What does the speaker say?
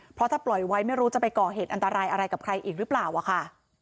เพราะถ้าปล่อยไว้ไม่รู้จะไปก่อเหตุอันตรายอะไรกับใครอีกหรือเปล่าอะค่ะ